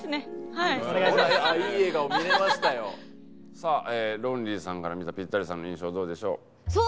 さあロンリーさんから見たピッタリさんの印象どうでしょう？